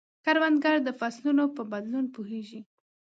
کروندګر د فصلونو په بدلون پوهیږي